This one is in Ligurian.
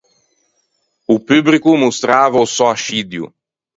O pubrico o mostrava o sò ascidio.